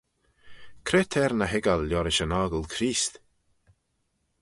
Cre t'er ny hoiggal liorish yn 'ockle Creest?